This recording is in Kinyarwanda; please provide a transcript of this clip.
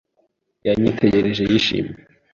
Yanyitegereje yishimye.